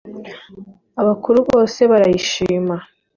Abakuru bose barayishima